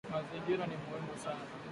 Mazingira ni muhimu sana.